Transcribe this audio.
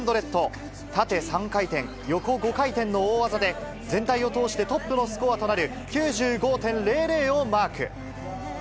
縦３回転、横５回転の大技で、全体を通してトップのスコアとなる９５．００をマーク。